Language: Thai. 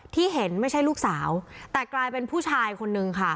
ที่เห็นไม่ใช่ลูกสาวแต่กลายเป็นผู้ชายคนนึงค่ะ